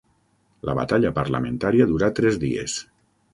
La batalla parlamentària durà tres dies.